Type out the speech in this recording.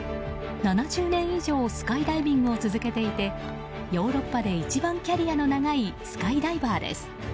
７０年以上スカイダイビングを続けていてヨーロッパで一番キャリアの長いスカイダイバーです。